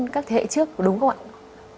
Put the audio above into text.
các thế hệ trước đúng không ạ